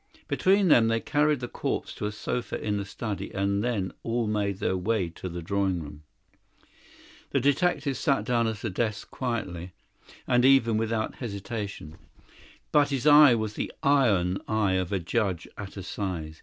Between them they carried the corpse to a sofa in the study, and then all made their way to the drawing room. The detective sat down at a desk quietly, and even without hesitation; but his eye was the iron eye of a judge at assize.